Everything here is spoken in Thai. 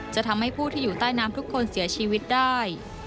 จะทำให้ผู้ที่อยู่ใต้น้ำทุกคนเสียชีวิตได้